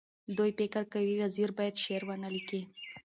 دوی فکر کوي وزیر باید شعر ونه لیکي.